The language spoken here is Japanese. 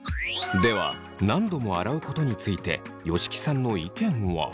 では何度も洗うことについて吉木さんの意見は。